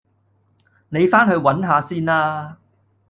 你返去搵下先啦